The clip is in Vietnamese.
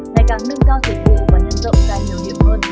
ngày càng nâng cao dịch vụ và nhân rộng ra nhiều điểm hơn